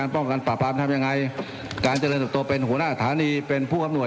ป้องกันปราบรามทำยังไงการเจริญสุดตัวเป็นหัวหน้าฐานีเป็นผู้อำนวย